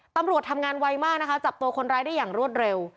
ตำรวจทำงานไวมากนะคะจับตัวคนร้ายได้อย่างรวดเร็ว